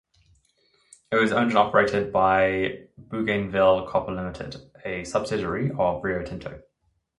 It was owned and operated by Bougainville Copper Limited, a subsidiary of Rio Tinto.